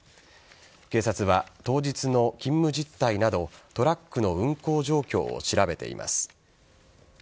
警察は当日の勤務実態などトラックの運行状況を調べています。